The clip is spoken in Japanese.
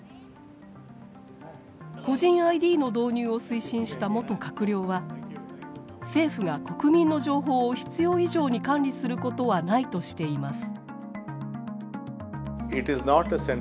個人ＩＤの導入を推進した元閣僚は政府が国民の情報を必要以上に管理することはないとしています。